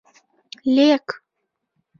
Лек...